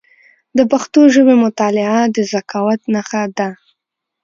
د پښتو ژبي مطالعه د ذکاوت نښه ده.